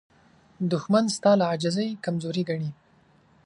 دښمن ستا له عاجزۍ کمزوري ګڼي